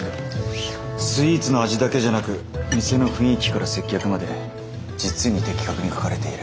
スイーツの味だけじゃなく店の雰囲気から接客まで実に的確に書かれている。